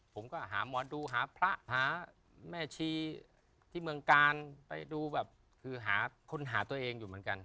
ผมก็หาหมอดูหาพระหาแม่ชีที่เมืองกาลไปดูแบบคือหาค้นหาตัวเองอยู่เหมือนกัน